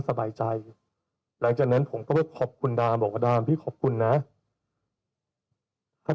สบายใจหลังจากนั้นผมก็ไปขอบคุณดามบอกว่าดามพี่ขอบคุณนะก็